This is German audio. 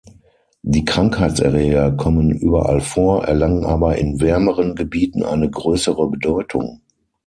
Die Krankheitserreger kommen überall vor, erlangen aber in wärmeren Gebieten eine größere Bedeutung.